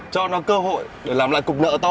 cho nó cơ hội để làm lại cục nợ to